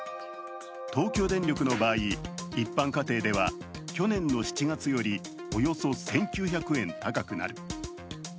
東京電力の場合、一般家庭では去年の７月よりおよそ１９００円高くなる。